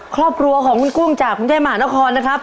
ครอบครัวของคุณกุ้งจากกรุงเทพมหานครนะครับ